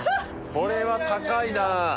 これは高いな。